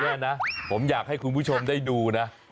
นี่นะผมอยากให้คุณผู้ชมได้ดูนะ